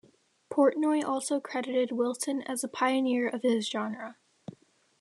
Portnoy also credited Wilson as "a pioneer of his genre".